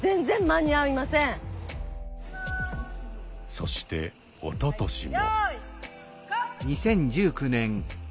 そしておととしも。